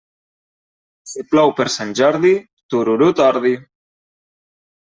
Si plou per Sant Jordi, tururut ordi.